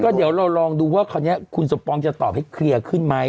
เดี๋ยวเราลองดูว่าคราวนี้คุณสมปองจะตอบให้เคลียร์ขึ้นไหม